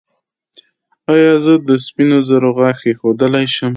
ایا زه د سپینو زرو غاښ ایښودلی شم؟